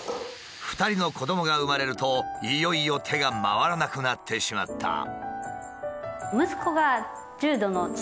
２人の子どもが生まれるといよいよ手が回らなくなってしまった。